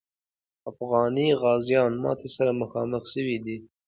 افغاني غازیان ماتي سره مخامخ سوي دي.